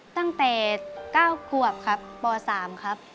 ตั้งแต่๙ขวบครับป๓ครับ